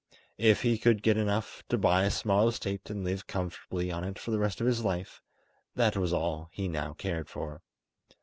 If he could get enough to buy a small estate and live comfortably on it for the rest of his life, that was all he now cared for.